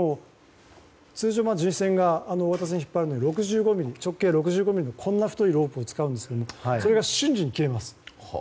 通常、巡視船が大型船を引っ張るのに直径６５ｍｍの太いロープを使うんですがそれが瞬時に切れます。